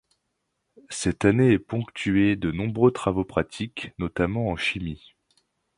Cette année est ponctuée de nombreux travaux pratiques, notamment en chimie.